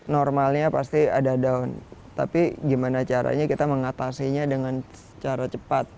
normalnya pasti ada down tapi gimana caranya kita mengatasinya dengan secara cepat